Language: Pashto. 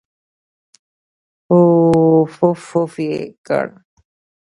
پووووووفففف یې کړ.